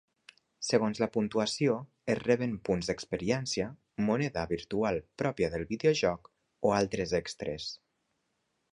Segons la puntuació es reben punts d'experiència, moneda virtual pròpia del videojoc o altres extres.